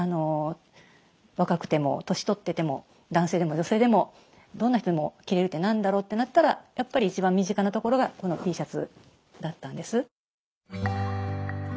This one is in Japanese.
若くても年取ってても男性でも女性でもどんな人でも着れるって何だろうってなったらやっぱり一番身近なところがこのＴシャツだったんです。